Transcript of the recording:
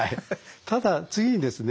ただ次にですね